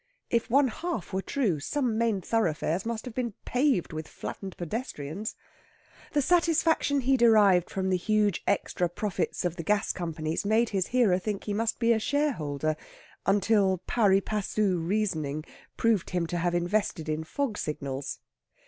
If one half were true, some main thoroughfares must have been paved with flattened pedestrians. The satisfaction he derived from the huge extra profits of the gas companies made his hearer think he must be a shareholder, until pari passu reasoning proved him to have invested in fog signals.